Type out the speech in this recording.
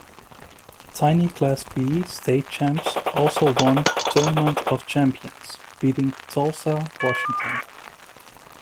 Tiny Class B state champs also won Tournament of Champions, beating Tulsa Washington.